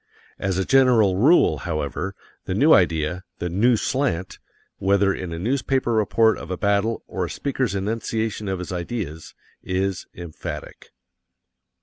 As a general rule, however, the new idea, the "new slant," whether in a newspaper report of a battle or a speaker's enunciation of his ideas, is emphatic.